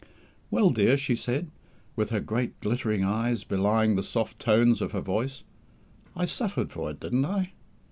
"Well, dear," said she, with her great glittering eyes belying the soft tones of her voice, "I suffered for it, didn't I?